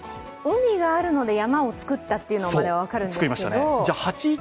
海があるので山を作ったというのまでは分かるんですけど。